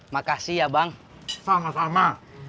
makasih ya bang sama sama